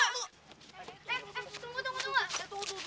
eh tunggu tunggu tunggu